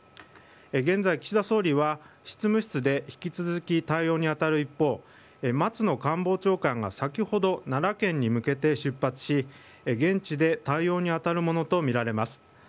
現在岸田総理は執務室で引き続き対応に当たる一方松野官房長官が先ほど奈良県に向けて出発し、現地で対応に当たるものとみられます。